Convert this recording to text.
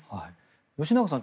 吉永さん